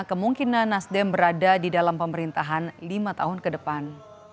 kemungkinan nasdem berada di dalam pemerintahan lima tahun ke depan